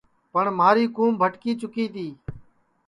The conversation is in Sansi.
پٹؔ مہاری کُوم بھٹکی چُکی تی